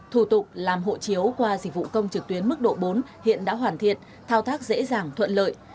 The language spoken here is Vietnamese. thủ tục làm hộ chiếu qua dịch vụ công trực tuyến mức độ bốn hiện đã hoàn thiện thao tác dễ dàng thuận lợi